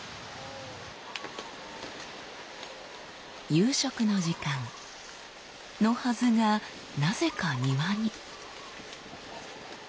夕食の時間。のはずがなぜか庭に。